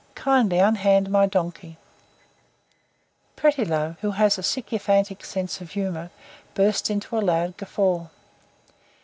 Kindly unhand my donkey." Prettilove, who has a sycophantic sense of humour, burst into a loud guffaw.